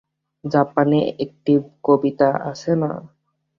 জাপানি একটি কবিতায় আছে না?